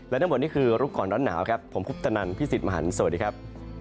และทั้งหมดนี่คือรู้ก่อนร้อนหนาวครับผมคุปตนันพี่สิทธิ์มหันฯสวัสดีครับ